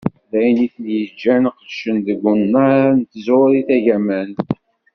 D ayen i ten-yeǧǧan qeddcen deg unnar n tẓuri tagamant.